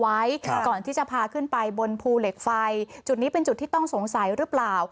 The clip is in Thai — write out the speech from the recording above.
ก่อนที่จะพาขึ้นไปบนภูเหล็กไฟจุดนี้เป็นจุดที่ต้องสงสัยหรือเปล่า